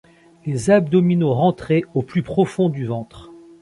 Les abdominaux rentrés au plus profond du ventre.